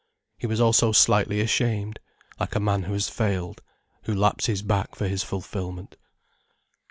He was also slightly ashamed, like a man who has failed, who lapses back for his fulfilment.